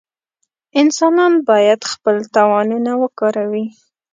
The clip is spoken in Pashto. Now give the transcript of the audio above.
انسانان باید خپل توانونه وکاروي.